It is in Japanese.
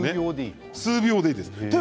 数秒でいいんです。